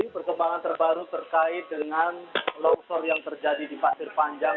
perkembangan terbaru terkait dengan longsor yang terjadi di pasir panjang